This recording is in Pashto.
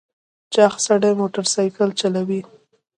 چاغ سړی موټر سایکل چلوي .